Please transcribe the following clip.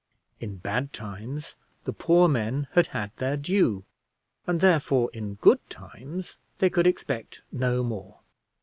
In bad times the poor men had had their due, and therefore in good times they could expect no more.